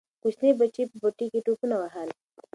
کوچني بچي یې په پټي کې ټوپونه وهل.